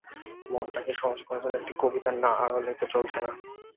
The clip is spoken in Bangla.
মনটাকে সহজ করবার জন্যে একটা কবিতা না আওড়ালে তো চলছে না।